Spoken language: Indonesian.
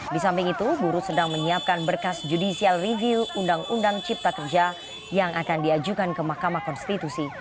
di samping itu buruh sedang menyiapkan berkas judicial review undang undang cipta kerja yang akan diajukan ke mahkamah konstitusi